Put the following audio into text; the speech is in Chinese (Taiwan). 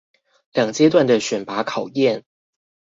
兩階段的選拔考驗